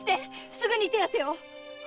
すぐに手当を！